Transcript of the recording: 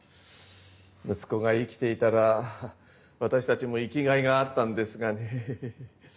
息子が生きていたら私たちも生きがいがあったんですがね。